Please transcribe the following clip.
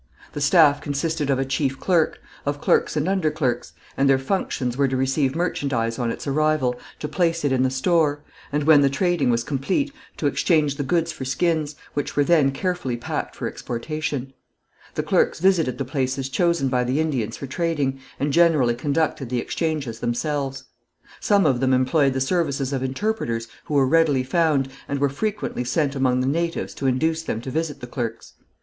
The staff consisted of a chief clerk, of clerks and underclerks; and their functions were to receive merchandise on its arrival, to place it in the store, and when the trading was complete, to exchange the goods for skins, which were then carefully packed for exportation. The clerks visited the places chosen by the Indians for trading, and generally conducted the exchanges themselves. Some of them employed the services of interpreters who were readily found, and were frequently sent among the natives to induce them to visit the clerks.